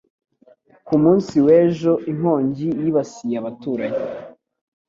Ku munsi w'ejo, inkongi y'umuriro yibasiye abaturanyi.